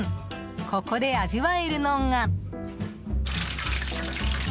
ここで味わえるのが。